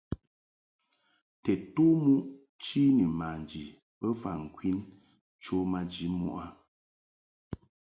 Tedtom muʼ chi ni manji bofa ŋkwin cho maji muʼ a.